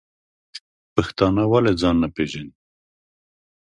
پښتانه ولی ځان نه پیژنی؟